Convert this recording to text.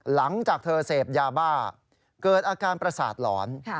หลังจากเธอเสพยาบ้าเกิดอาการประสาทหลอน